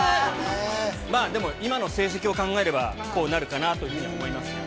でも、今の成績を考えれば、こうなるかなと思いますけど。